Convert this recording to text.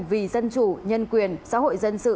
vì dân chủ nhân quyền xã hội dân sự